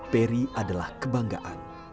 perry adalah kebanggaan